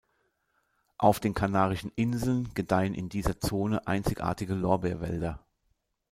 Auf den Kanarischen Inseln gedeihen in dieser Zone einzigartige Lorbeerwälder.